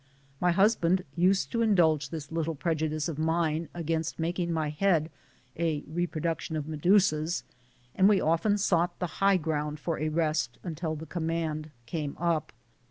My husband used to indulge this little prejudice of mine against making my head a reproduction of Medusa's, and we often sought the high ground for a rest until the command came up.